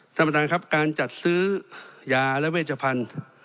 ท่านประธานครับการจัดซื้อยาและเวชพันธุ์